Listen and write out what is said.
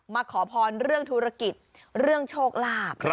ขอพรเรื่องธุรกิจเรื่องโชคลาภ